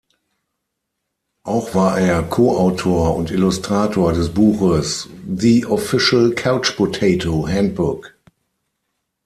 Auch war er Co-Autor und Illustrator des Buches "The Official Couch Potato Handbook".